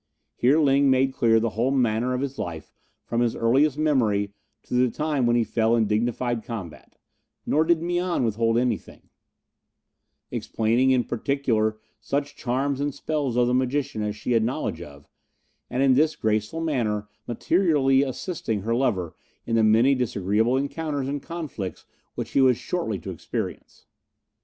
Here Ling made clear the whole manner of his life from his earliest memory to the time when he fell in dignified combat, nor did Mian withhold anything, explaining in particular such charms and spells of the magician as she had knowledge of, and in this graceful manner materially assisting her lover in the many disagreeable encounters and conflicts which he was shortly to experience.